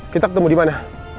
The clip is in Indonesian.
kita ketemu di mana